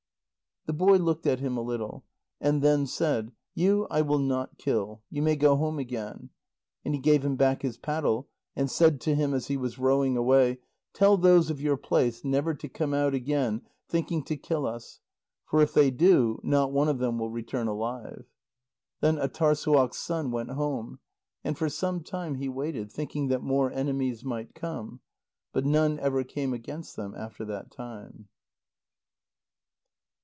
The boy looked at him a little. And then said: "You I will not kill. You may go home again." And he gave him back his paddle, and said to him as he was rowing away: "Tell those of your place never to come out again thinking to kill us. For if they do not one of them will return alive." Then Âtârssuaq's son went home. And for some time he waited, thinking that more enemies might come. But none ever came against them after that time.